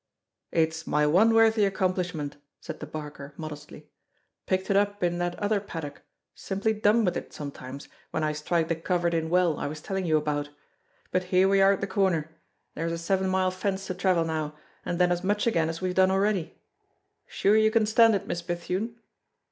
"It's my one worthy accomplishment," said the barker, modestly; "picked it up in that other paddock; simply dumb with it, sometimes, when I strike the covered in well I was telling you about. But here we are at the corner; there's a seven mile fence to travel now, and then as much again as we've done already. Sure you can stand it, Miss Bethune?"